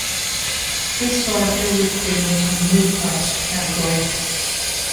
This Vodka would fit into the mid-priced category.